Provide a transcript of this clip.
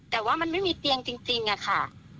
แต่ว่ามันไม่มีเตียงจริงอะค่ะ